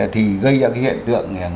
thì gây ra cái hiện tượng